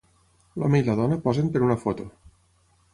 L"home i la dona posen per una foto.